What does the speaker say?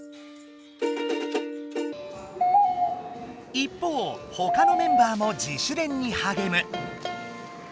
一方ほかのメンバーも自主練にはげむ。